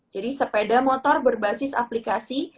jadi sepeda motor berbasis aplikasi